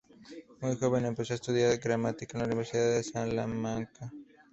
Muy joven empezó a estudiar gramática en la Universidad de Salamanca.